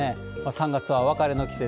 ３月は別れの季節。